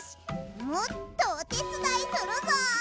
もっとおてつだいするぞ！